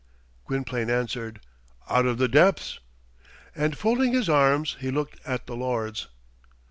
Gwynplaine answered, "Out of the depths." And folding his arms, he looked at the lords.